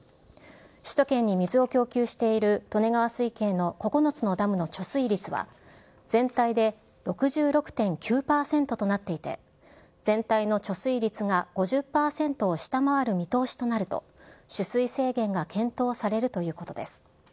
首都圏に水を供給している利根川水系の９つのダムの貯水率は、全体で６６．９％となっていて、全体の貯水率が５０％を下回る見通しとなると、取水制限が検討されるということです。